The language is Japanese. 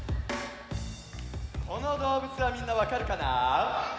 このどうぶつはみんなわかるかな？